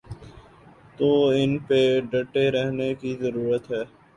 تو ان پہ اب ڈٹے رہنے کی ضرورت ہے۔